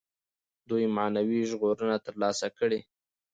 دوی معنوي ژغورنه تر لاسه کړي.